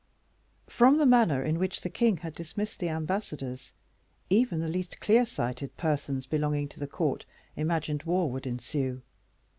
From the manner in which the king had dismissed the ambassadors, even the least clear sighted persons belonging to the court imagined war would ensue.